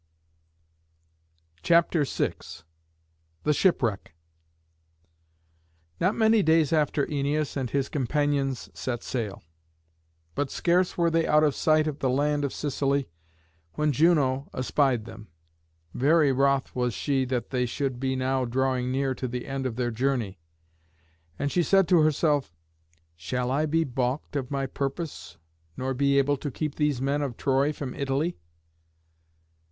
CHAPTER VI. THE SHIPWRECK. Not many days after Æneas and his companions set sail. But scarce were they out of sight of the land of Sicily when Juno espied them. Very wroth was she that they should be now drawing near to the end of their journey, and she said to herself, "Shall I be baulked of my purpose, nor be able to keep these men of Troy from Italy?